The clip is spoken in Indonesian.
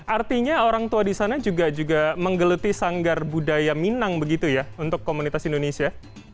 artinya orang tua di sana juga menggeluti sanggar budaya minang begitu ya untuk komunitas indonesia